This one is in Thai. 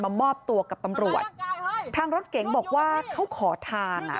มอบตัวกับตำรวจทางรถเก๋งบอกว่าเขาขอทางอ่ะ